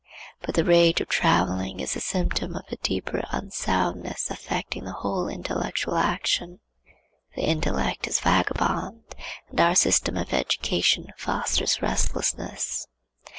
But the rage of travelling is a symptom of a deeper unsoundness affecting the whole intellectual action. The intellect is vagabond, and our system of education fosters restlessness.